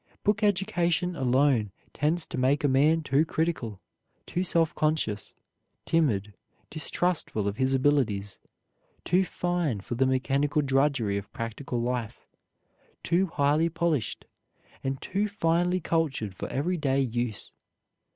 Book education alone tends to make a man too critical, too self conscious, timid, distrustful of his abilities, too fine for the mechanical drudgery of practical life, too highly polished, and too finely cultured for every day use.